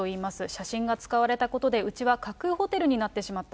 写真が使われたことで、うちは架空ホテルになってしまった。